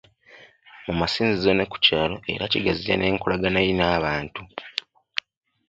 Mu masinzizo ne ku kyalo era kigaziya n'enkolagana ye n'abantu.